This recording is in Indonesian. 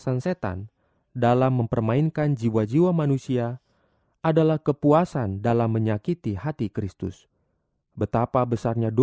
sampai jumpa di video selanjutnya